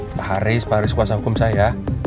pak haris pak haris kuasa hukum saya